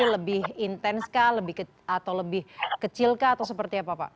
lebih intens atau lebih kecil atau seperti apa pak